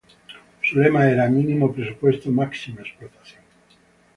Su lema era "mínimo presupuesto, máxima explotación".